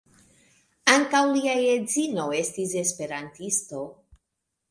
Ankaŭ lia edzino estis esperantisto.